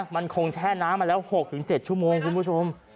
มันคงแช่น้ำมาแล้ว๖๗ชั่วโมงคุณผู้ชม